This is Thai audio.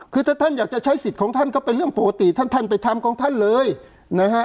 คือถ้าท่านอยากจะใช้สิทธิ์ของท่านก็เป็นเรื่องปกติท่านท่านไปทำของท่านเลยนะฮะ